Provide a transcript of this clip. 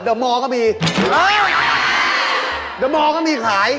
เดอะมอร์ก็มีฮึ่าเดอะมอร์ก็มีขาย